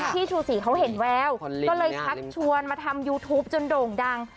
พี่ชูสีเขาเห็นแววก็เลยชักชวนมาทำยูทูปจนโด่งดัง